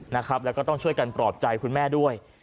แล้วก็ต้องช่วยกันปลอบใจคุณแม่ด้วย